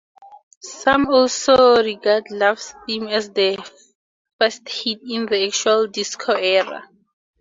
Some also regard "Love's Theme" as the first hit in the actual "disco era".